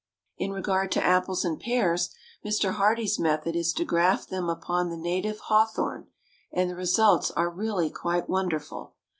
In regard to apples and pears, Mr. Hardee's method is to graft them upon the native hawthorn; and the results are really quite wonderful.